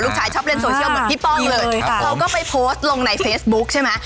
ชอบเล่นโซเชียลเหมือนพี่ป้องเลยเขาก็ไปโพสต์ลงในเฟซบุ๊คใช่ไหม